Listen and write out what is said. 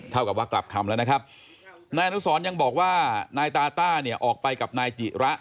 กับว่ากลับคำแล้วนะครับนายอนุสรยังบอกว่านายตาต้าเนี่ยออกไปกับนายจิระ